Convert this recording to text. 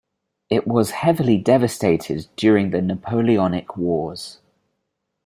It was heavily devastated during the Napoleonic Wars.